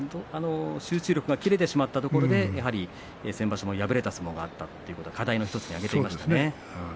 集中力が切れてしまったところで先場所も敗れてしまったことがあるということで課題の１つに挙げています。